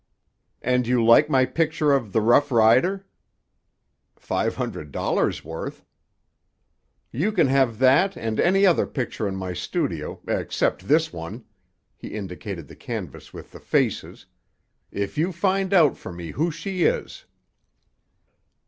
"And you like my picture of The Rough Rider?" "Five hundred dollars' worth." "You can have that and any other picture in my studio, except this one," he indicated the canvas with the faces, "if you'll find out for me who she is."